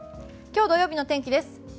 今日、土曜日の天気です。